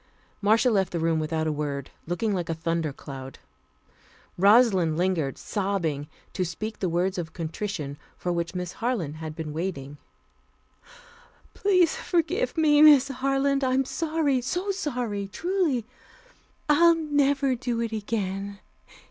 Marcia left the room without a word, looking like a thunder cloud. Rosalind lingered, sobbing, to speak the words of contrition for which Miss Harland had been waiting. "Please forgive me, Miss Harland. I'm sorry so sorry, truly. I'll never do it again.